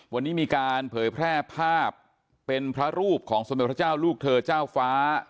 วันนี้มีการเผยแพร่ภาพเป็นพระรูปของสมเด็จพระเจ้าลูกเธอเจ้าฟ้า